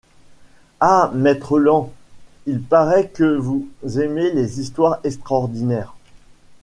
Ah! maître Land, il paraît que vous aimez les histoires extraordinaires !